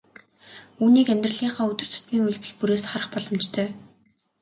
Үүнийг амьдралынхаа өдөр тутмын үйлдэл бүрээс харах боломжтой.